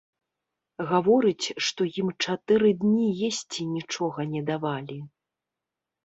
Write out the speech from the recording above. Гаворыць, што ім чатыры дні есці нічога не давалі.